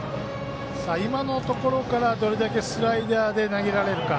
今のところからどれだけスライダーで投げられるか。